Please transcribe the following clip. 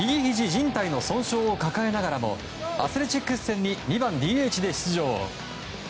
じん帯の損傷を抱えながらもアスレチックス戦に２番ＤＨで出場。